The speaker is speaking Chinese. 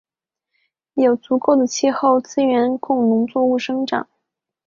有足够的气候资源供农作物生长。